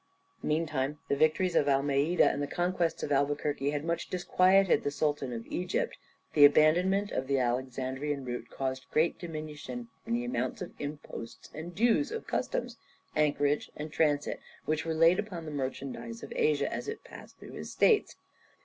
Meantime the victories of Almeida, and the conquests of Albuquerque had much disquieted the Sultan of Egypt. The abandonment of the Alexandrian route caused a great diminution in the amount of imposts and dues of customs, anchorage, and transit, which were laid upon the merchandise of Asia as it passed through his states.